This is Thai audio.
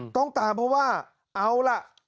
ต้องตามเพราะว่าเอาล่ะ